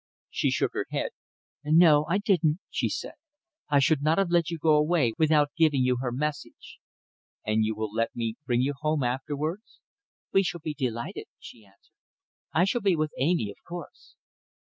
She shook her head. "No! I didn't," she said. "I should not have let you go away without giving you her message." "And you will let me bring you home afterwards?" "We shall be delighted," she answered. "I shall be with Amy, of course."